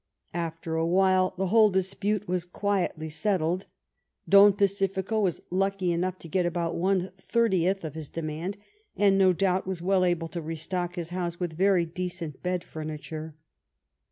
After a while the whole dispute was quietly settled. Don Pacifico was lucky enough to get about one thirtieth of his demand, and no doubt was well able to restock his house with very decent bed furniture.